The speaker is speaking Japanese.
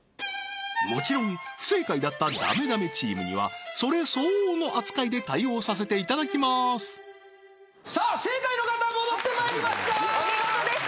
もちろん不正解だったダメダメチームにはそれ相応の扱いで対応させていただきますさあ正解の方戻ってまいりましたお見事でした